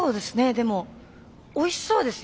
でもおいしそうですよ。